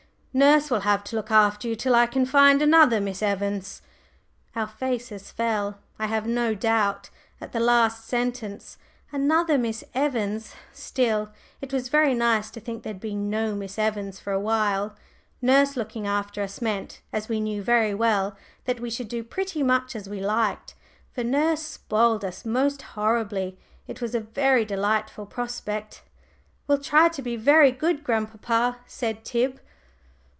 Nurse will have to look after you till I can find another Miss Evans." Our faces fell, I have no doubt, at the last sentence. Another Miss Evans! Still, it was very nice to think there'd be no Miss Evans for a while. Nurse looking after us meant, as we knew very well, that we should do pretty much as we liked; for nurse spoiled us most horribly. It was a very delightful prospect. "We'll try to be very good, grandpapa," said Tib.